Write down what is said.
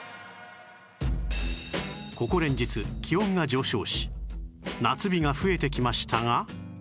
ここ連日気温が上昇し夏日が増えてきましたが